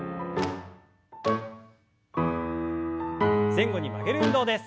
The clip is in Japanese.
前後に曲げる運動です。